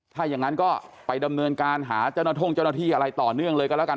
ถ้าอย่างนั้นก็ไปดำเนินการหาเจ้าหน้าที่อะไรต่อเนื่องเลยก็แล้วกัน